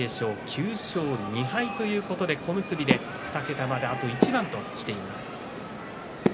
９勝２敗ということで小結で２桁まであと一番です。